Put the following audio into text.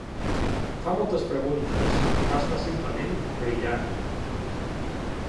Fa moltes preguntes, va estar simplement brillant.